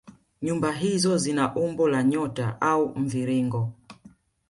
Nyumba hizo zina umbo la nyota au mviringo